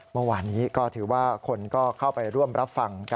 เมื่อวานนี้ก็ถือว่าคนก็เข้าไปร่วมรับฟัง